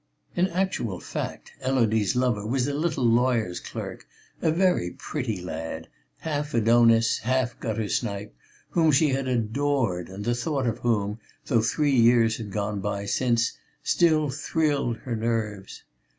In actual fact Élodie's lover was a little lawyer's clerk, a very pretty lad, half Adonis, half guttersnipe, whom she had adored and the thought of whom, though three years had gone by since, still thrilled her nerves.